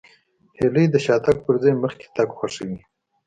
هیلۍ د شاتګ پر ځای مخکې تګ خوښوي